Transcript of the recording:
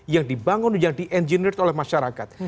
yang dibangun yang di engineer oleh masyarakat